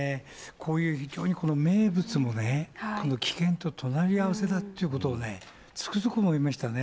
こういう非常に名物もね、危険と隣り合わせだっていうことをね、つくづく思いましたね。